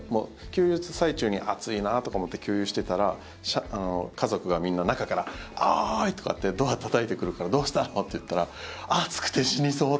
給油の最中に暑いなとか思って給油してたら家族がみんな中からおーい！とかってドアたたいてくるからどうしたの？って言ったら暑くて死にそう！